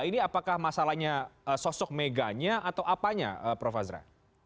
ini apakah masalahnya sosok meganya atau apanya prof azra